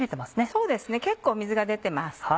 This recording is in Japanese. そうですね結構水が出てます。